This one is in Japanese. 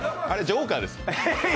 あれ、ジョーカーです。